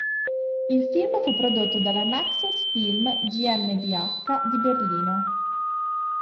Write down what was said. Il film fu prodotto dalla Naxos-Film GmbH di Berlino.